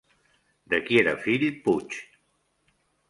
De qui era fill Puig?